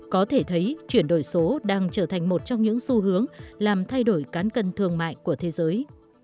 có thể thấy chuyển đổi số đang trở thành một trong những xu hướng làm thay đổi cán cân thương mại của thế giới